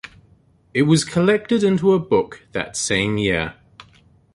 It was collected into a book that same year.